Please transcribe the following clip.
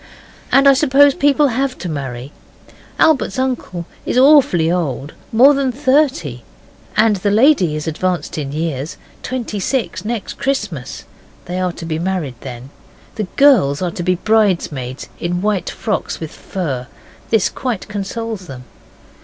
And I suppose people have to marry. Albert's uncle is awfully old more than thirty, and the lady is advanced in years twenty six next Christmas. They are to be married then. The girls are to be bridesmaids in white frocks with fur. This quite consoles them.